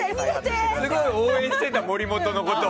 すごい応援してた森本のことを。